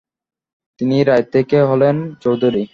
তিনি রায় থেকে হলেন চৌধুরী।